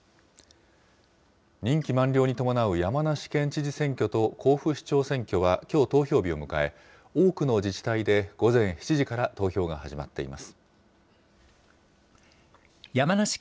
任期満了に伴う山梨県知事選挙と甲府市長選挙はきょう投票日を迎え、多くの自治体で午前７時から投票が始まっています。